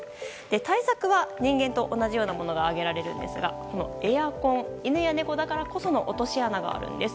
対策は人間と同じようなものが挙げられるんですがエアコン、犬や猫だからこその落とし穴があるんです。